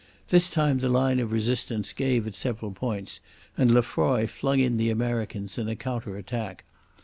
This time the line of resistance gave at several points, and Lefroy flung in the Americans in a counter attack.